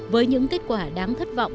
với những kết quả đáng thất vọng